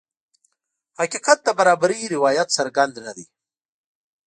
حقیقت د برابرۍ روایت څرګند نه دی.